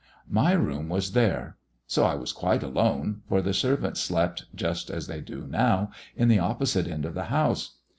"My room was there; so I was quite alone, for the servants slept, just as they do now, in the opposite end of the house.